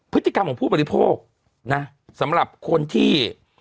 พฤติกรรมของผู้บริโภคนะสำหรับคนที่